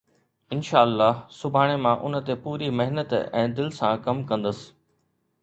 انشاءَ الله، سڀاڻي مان ان تي پوري محنت ۽ دل سان ڪم ڪندس.